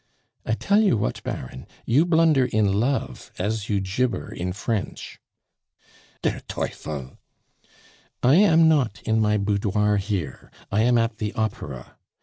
"I tell you what, Baron, you blunder in love as you gibber in French." "Der teufel!" "I am not in my boudoir here, I am at the opera.